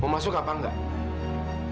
mau masuk apa nggak